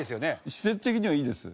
施設的にはいいです。